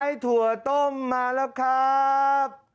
ถั่วต้มมาแล้วครับ